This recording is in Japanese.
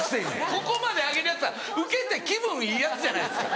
ここまで上げるヤツはウケて気分いいヤツやないですか。